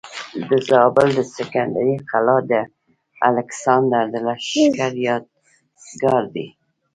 د زابل د سکندرۍ قلا د الکسندر د لښکر یادګار دی